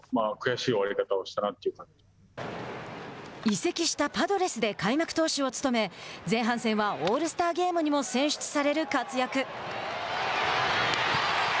移籍したパドレスで開幕投手を務め前半戦はオールスターゲームにも選出される活躍。